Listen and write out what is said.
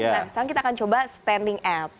nah sekarang kita akan coba standing app